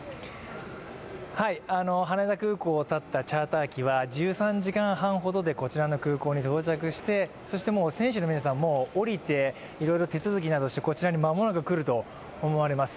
羽田空港をたったチャーター機は１３時間半ほどでこちらの空港に到着して、選手の皆さん、降りていろいろ手続きしてこちらに間もなく来ると思われます。